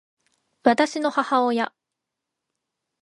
私の母親